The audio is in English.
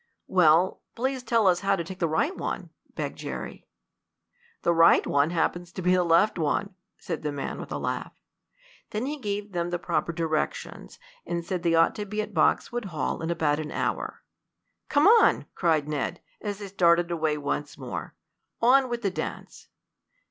"Well, please tell us how to take the right one," begged Jerry. "The right one happens to be a left one," said the man with a laugh. Then he gave them the proper directions, and said they ought to be at Boxwood Hall in about an hour. "Come on!" cried Ned, as they started away once more. "On with the dance!"